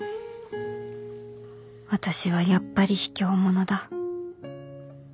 私はやっぱりひきょう者だ